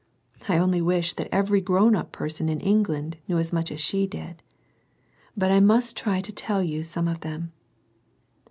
I only wish that every grown up person in England knew as much as she did. But I must try and tell you some of them.